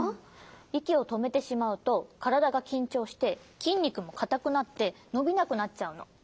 いきをとめてしまうとからだがきんちょうしてきんにくもかたくなってのびなくなっちゃうの。